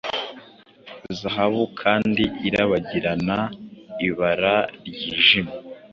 Zahabu kandi irabagiranaibara ryijimye